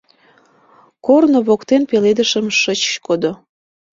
Корно воктен пеледышым шыч кодо.